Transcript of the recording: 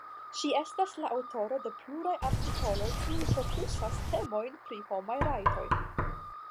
Ŝi estas la aŭtoro de pluraj artikoloj kiuj fokusas temojn pri homaj rajtoj.